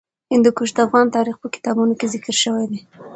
هندوکش د افغان تاریخ په کتابونو کې ذکر شوی دي.